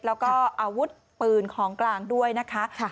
แล้วก็อาวุธปืนของกลางด้วยนะคะ